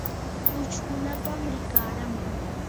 uchkulapam rikaraman.